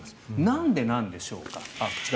なんでなんでしょうか。